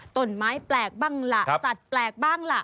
ต้นไม้แปลกบ้างล่ะสัตว์แปลกบ้างล่ะ